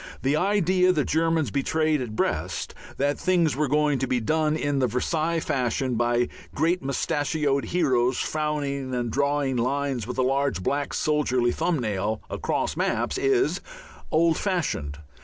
The idea the Germans betrayed at Brest, that things were going to be done in the Versailles fashion by great moustached heroes frowning and drawing lines with a large black soldierly thumbnail across maps, is old fashioned.